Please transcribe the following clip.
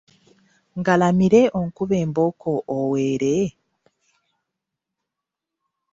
Ngalamire onkube embooko oweere?